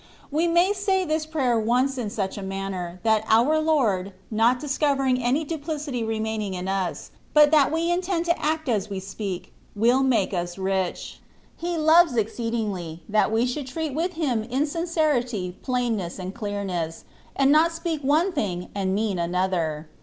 We may say this prayer once in such a manner, that our Lord, not discovering any duplicity remaining in us, but that we intend to act as we speak, will make us rich. He loves exceedingly, that we should treat with Him in sincerity, plainness, and clearness, and not speak one thing and mean another.